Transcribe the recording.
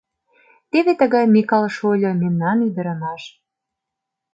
Теве тыгай, Микал шольо, мемнан ӱдырамаш.